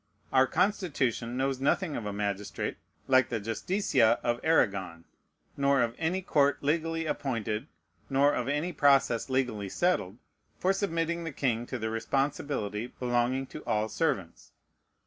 Our Constitution knows nothing of a magistrate like the Justicia of Aragon, nor of any court legally appointed, nor of any process legally settled, for submitting the king to the responsibility belonging to all servants.